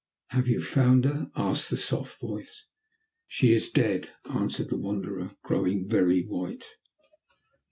"Have you found her?" asked the soft voice. "She is dead," answered the Wanderer, growing very white.